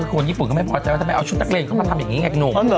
คนญี่ปุ่นก็ไม่พอใจว่าทำไมเอาชุดนักเรียนเข้ามาทำอย่างนี้ไงคุณหนุ่ม